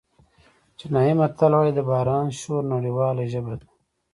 چینایي متل وایي د باران شور نړیواله ژبه ده.